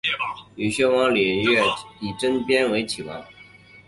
以薛王李业之子李珍嗣岐王。